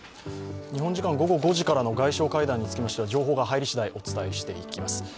日本時間午後５時からの外相会談につきましては情報が入りしだいお伝えしていきます。